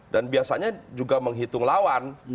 dan biasanya juga menghitung lawan